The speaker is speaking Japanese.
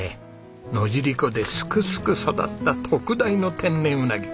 野尻湖ですくすく育った特大の天然鰻。